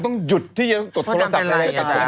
ต้องหยุดที่ตกโทรศัพท์